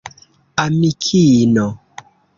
amikino